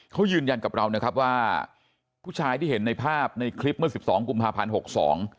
เขายืนยันกับเรานะครับว่าผู้ชายที่เห็นในภาพในคลิปเมื่อสิบสองกุมภาพันธ์หกสอง